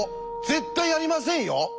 絶対やりませんよ！